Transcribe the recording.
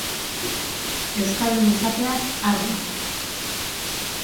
Euskaldun izateaz harro nago.